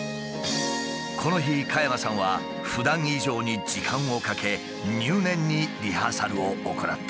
この日加山さんはふだん以上に時間をかけ入念にリハーサルを行った。